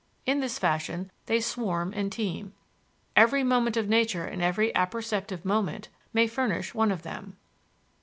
In this fashion they swarm and teem. Every moment of nature and every apperceptive moment may furnish one of them."